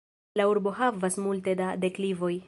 La urbo havas multe da deklivoj.